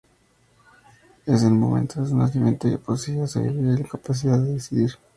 En el momento de su nacimiento ya poseía sabiduría y la capacidad de decidir.